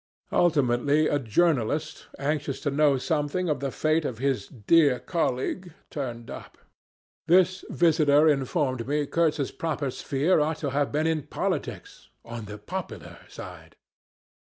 Ultimately a journalist anxious to know something of the fate of his 'dear colleague' turned up. This visitor informed me Kurtz's proper sphere ought to have been politics 'on the popular side.'